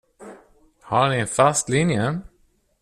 Har ni en fast linje?